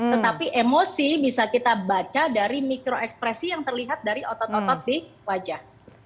tetapi emosi bisa kita baca dari mikro ekspresi yang terlihat dari otot otot di wajah